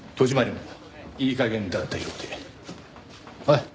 はい。